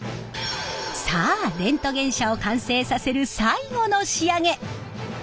さあレントゲン車を完成させる最後の仕上げ！